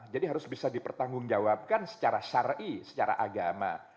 jadi harus bisa dipertanggungjawabkan secara syari'i secara agama